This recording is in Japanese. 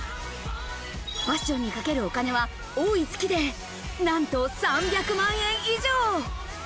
ファッションにかけるお金は多い月で、なんと３００万円以上。